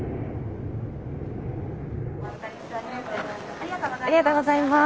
ありがとうございます。